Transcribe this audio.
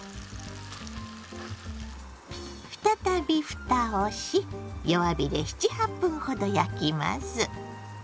再びふたをし弱火で７８分ほど焼きます。